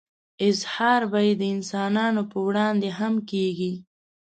اظهار به يې د انسانانو په وړاندې هم کېږي.